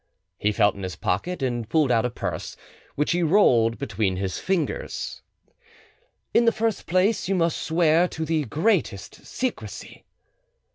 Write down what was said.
He felt in his pocket, and pulled out a purse, which he rolled between his fingers. "In the first place; you must swear to the greatest secrecy."